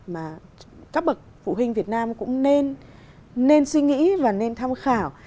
mà các bậc phụ huynh việt nam cũng nên suy nghĩ và nên tham khảo